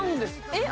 えっ